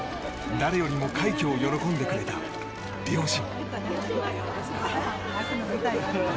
誰よりも快挙を喜んでくれた両親。